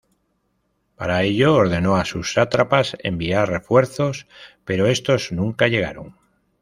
Para ello ordenó a sus sátrapas enviar refuerzos, pero estos nunca llegaron.